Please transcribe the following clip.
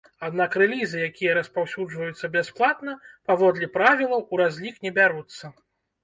Аднак рэлізы, якія распаўсюджваюцца бясплатна, паводле правілаў у разлік не бяруцца.